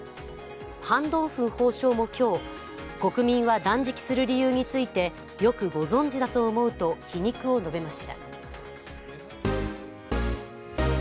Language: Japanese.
ハン・ドンフン法相も今日、国民は断食する理由についてよくご存じだと思うと皮肉を述べました。